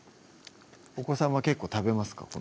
お子さんは結構食べますか？